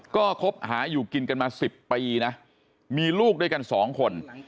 ก็คบหาอยู่กินกันมา๑๐ปีนะมีลูกด้วยกันสองคน